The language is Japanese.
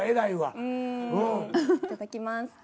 いただきます。